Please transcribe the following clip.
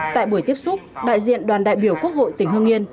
tại buổi tiếp xúc đại diện đoàn đại biểu quốc hội tỉnh hương yên